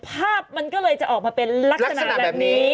ภาพมันก็เลยจะออกมาเป็นลักษณะแบบนี้